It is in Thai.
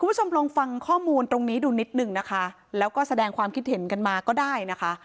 คุณผู้ชมลองฟังข้อมูลตรงนี้ดูนิดหนึ่งนะคะแล้วก็แสดงความคิดเห็นกันมาก็ได้นะคะ